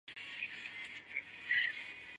细圆藤为防己科细圆藤属下的一个种。